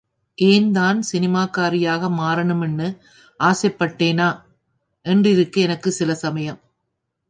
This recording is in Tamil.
ஏன் தான் சினிமாக்காரியாக மாறணும்னு ஆசைக்பட்டேனா என்றிருக்கு எனக்கு சில சமயம்.